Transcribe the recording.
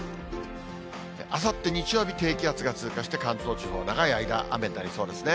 あさって日曜日、低気圧が通過して、関東地方、長い間、雨になりそうですね。